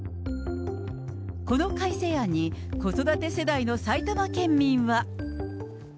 この改正案に、子育て世代の埼玉県民は。